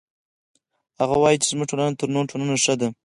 هغه وایي چې زموږ ټولنه تر نورو ټولنو ښه ده